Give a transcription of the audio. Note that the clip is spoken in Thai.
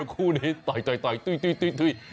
คู่นี้ต่อยตุ้ย